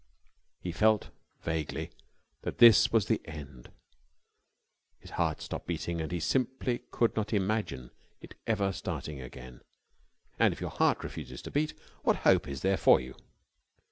He felt vaguely that this was the end. His heart stopped beating and he simply could not imagine it ever starting again, and, if your heart refuses to beat, what hope is there for you?